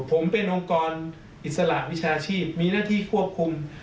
ผมเป็นองค์กรอิสระวิชาชีพมีหน้าที่ควบคุม